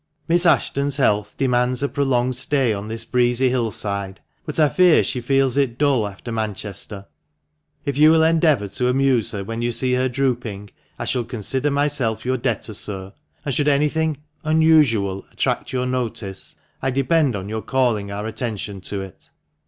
Miss Ashton's health demands a prolonged stay on this breezy hill side, but I fear she feels it dull after Manchester. If you will endeavour to amuse her when you see her drooping, I shall consider myself your debtor, sir ; and should anything unusual attract your notice, I depend on your calling our attention to it."